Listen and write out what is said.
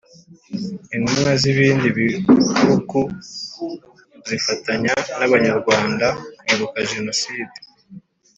Intumwa z’ibindi biugu zifatanya n’abanyarwanda kwibuka Jenoside